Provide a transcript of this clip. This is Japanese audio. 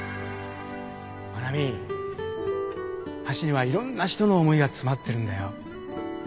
真奈美橋にはいろんな人の思いが詰まってるんだよ